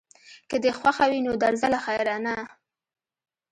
که دې خوښه وي نو درځه له خیره، نه.